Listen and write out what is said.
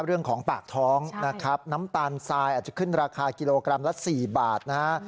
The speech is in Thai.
เรื่องของปากท้องนะครับน้ำตาลทรายอาจจะขึ้นราคากิโลกรัมละ๔บาทนะฮะ